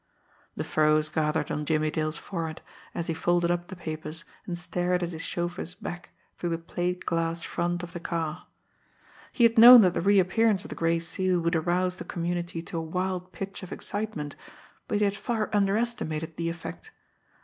The furrows gathered on Jimmie Dale's forehead, as he folded up the papers, and stared at his chauffeur's back through the plate glass front of the car. He had known that the reappearance of the Gray Seal would arouse the community to a wild pitch of excitement, but he had far underestimated the effect.